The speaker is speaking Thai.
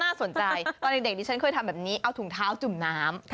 สนใจตอนเด็กดิฉันเคยทำแบบนี้เอาถุงเท้าจุ่มน้ำ